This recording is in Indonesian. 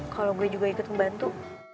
kalau gue juga ikut membantu